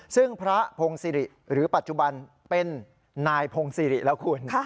ซึ่งพระพงศิริหรือปัจจุบันเป็นนายพงศิริแล้วคุณ